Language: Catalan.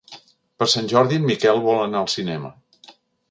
Per Sant Jordi en Miquel vol anar al cinema.